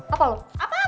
apa pergi pergi